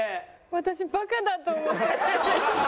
私バカだと思って。